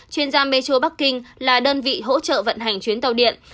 chuyên gia metro bắc kinh là đơn vị hỗ trợ vận hành chuyến tàu điện